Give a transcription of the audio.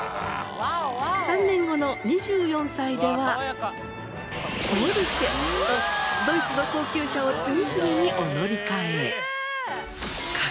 ３年後の２４歳ではポルシェ！とドイツの高級車を次々にお乗り換え。